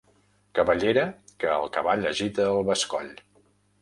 Cabellera que el cavall agita al bescoll.